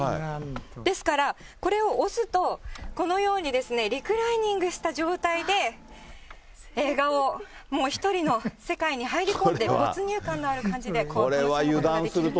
ですから、これを押すと、このようにですね、リクライニングした状態で映画を、もう、一人の世界に入り込んで、没入感のある状態でこう、楽しむことができます。